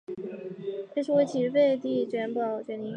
一说为齐废帝萧宝卷陵。